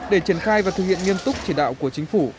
để triển khai và thực hiện nghiêm túc chỉ đạo của chính phủ